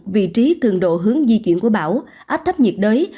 vị trí cường độ hướng di chuyển của bão áp thấp nhiệt đới